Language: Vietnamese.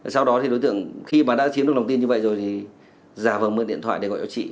sau đó thì đối tượng khi mà đã chiếm được lòng tin như vậy rồi thì giả vờ mượn điện thoại để gọi cho chị